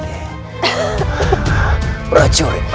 ada yang mengikuti kita